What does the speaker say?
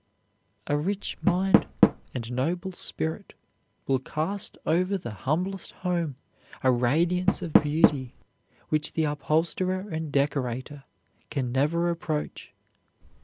A rich mind and noble spirit will cast over the humblest home a radiance of beauty which the upholsterer and decorator can never approach.